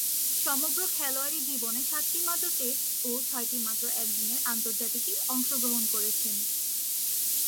সমগ্র খেলোয়াড়ী জীবনে সাতটিমাত্র টেস্ট ও ছয়টিমাত্র একদিনের আন্তর্জাতিকে অংশগ্রহণ করেছেন।